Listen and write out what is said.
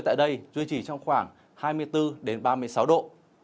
tại đây duy trì trong khoảng hai mươi bốn ba mươi sáu độ